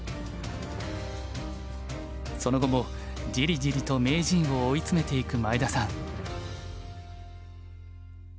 その後もじりじりと名人を追い詰めていく前田さん。